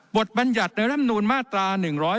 บัญญัติในร่ำนูลมาตรา๑๕